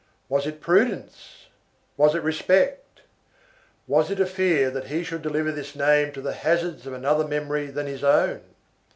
Was it prudence? Was it respect? Was it a fear that he should deliver this name to the hazards of another memory than his own?